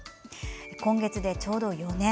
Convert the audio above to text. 今月で、ちょうど４年。